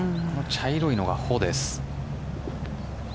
茶色いのが穂です。